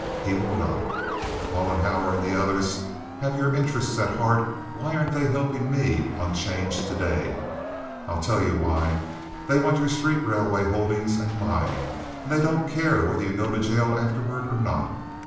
He will not. If Mollenhauer and the others have your interests at heart, why aren't they helping me on 'change today? I'll tell you why. They want your street railway holdings and mine, and they don't care whether you go to jail afterward or not.